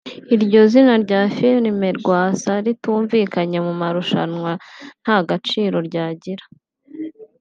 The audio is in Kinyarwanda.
Iryo zina rya filimi (Rwasa) ritumvikanye mu marushanwa nta gaciro ryagira